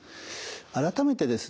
改めてですね